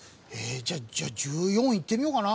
じゃあ１４いってみようかな。